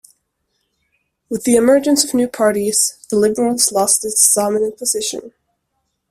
With the emergence of new parties, the Liberals lost its dominant position.